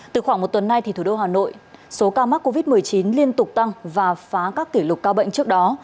từ khoảng một tuần nay thủ đô hà nội số ca mắc covid một mươi chín liên tục tăng và phá các kỷ lục ca bệnh trước đó